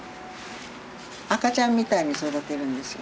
赤ちゃんみたいに育てるんですよ。